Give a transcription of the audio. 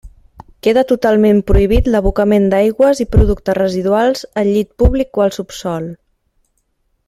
Queda totalment prohibit l'abocament d'aigües i productes residuals al llit públic o al subsòl.